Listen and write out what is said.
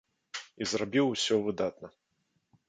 І зрабіў усё выдатна.